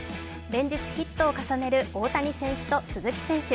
連日、ヒットを重ねる大谷選手と鈴木選手。